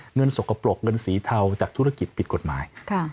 สกปรกเงินสีเทาจากธุรกิจผิดกฎหมาย